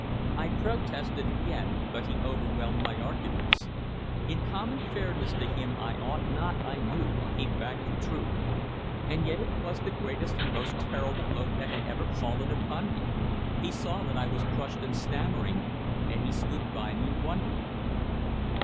I protested again, but he overwhelmed my arguments. In common fairness to him I ought not, I knew, keep back the truth. And yet it was the greatest and most terrible blow that had ever fallen upon me. He saw that I was crushed and stammering, and he stood by me wondering.